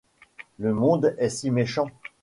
Le monde est si méchant !